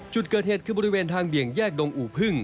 จุดเกิดเหตุคือบริเวณทางเบี่ยงแยกดงอู่พึ่ง